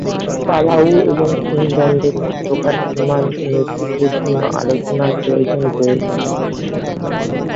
Palau এবং ফিলিপাইনের মধ্যকার সীমানা নির্দেশের জন্য আলোচনার প্রয়োজন রয়েছে।